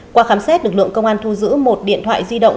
qua khám xét lực lượng công an thu giữ một điện thoại di động